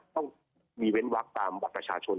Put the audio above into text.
ต้องมีเว้นวักตามบัตรประชาชน